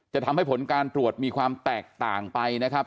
จะทำให้ผลการตรวจมีความแตกต่างไปนะครับ